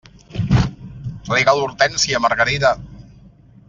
Rega l'hortènsia, Margarida.